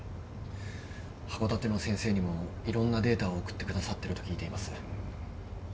函館の先生にもいろんなデータを送ってくださってると聞いています。